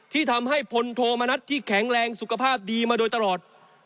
ที่ทำให้พลโทมณัฐที่แข็งแรงสุขภาพดีมาโดยตลอด